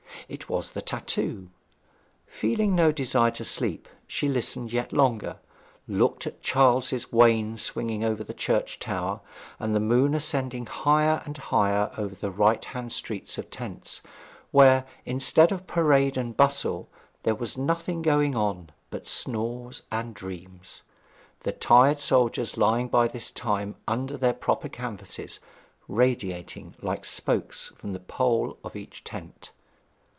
It was tattoo. Feeling no desire to sleep, she listened yet longer, looked at Charles's Wain swinging over the church tower, and the moon ascending higher and higher over the right hand streets of tents, where, instead of parade and bustle, there was nothing going on but snores and dreams, the tired soldiers lying by this time under their proper canvases, radiating like spokes from the pole of each tent.